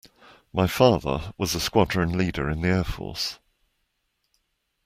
My father was a Squadron Leader in the Air Force